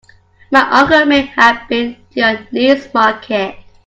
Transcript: My uncle may have been to your niece's market.